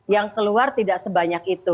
yang keluar tidak sebanyak itu